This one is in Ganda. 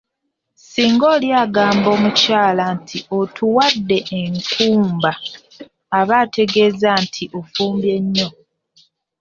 Singa oli agamba omukyala nti 'otuwadde enkumba' aba ategeeza nti ofumbye nnyo.